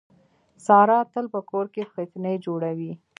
ساره تل په کور کې فتنې جوړوي.